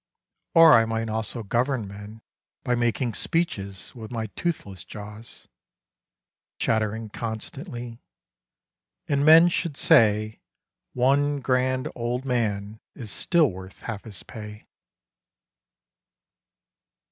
— Or I might also govern men By making speeches with my toothless jaws, Chattering constantly ; and men should say ' One grand old man is still worth half his pay